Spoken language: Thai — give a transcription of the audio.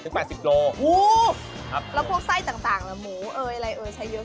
อู๊ยแล้วพวกไส้ต่างหมูเอ๋ยอะไรเอ๋ยใช้เยอะแค่ไหน